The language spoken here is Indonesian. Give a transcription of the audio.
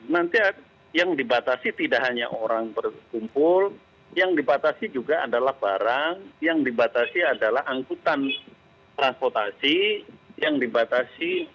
nanti yang dibatasi tidak hanya orang berkumpul yang dibatasi juga adalah barang yang dibatasi adalah angkutan transportasi yang dibatasi